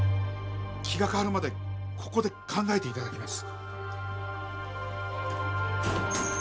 気がかわるまでここで考えていただきます。